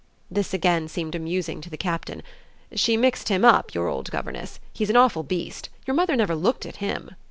This again seemed amusing to the Captain. "She mixed him up, your old governess. He's an awful beast. Your mother never looked at him."